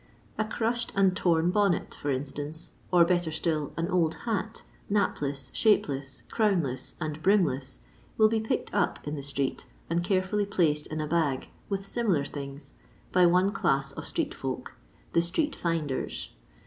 A crushed and torn bonnet, for instance, or, better still, an old hat, napless, shape less, crownless, and brimless, will be picked up in the street, and carefully placed in a bag with similar things by one class of street folk — the Street Fin DEBS.